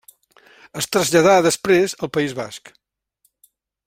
Es traslladà després al País Basc.